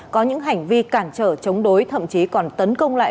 có những hành vi cản trở chống đối thậm chí còn tấn công lại